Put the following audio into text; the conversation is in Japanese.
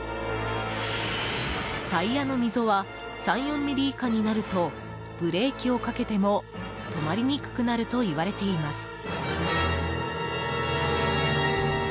タイヤの溝は３４ｍｍ以下になるとブレーキをかけても止まりにくくなるといわれています。